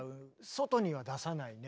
外には出さないね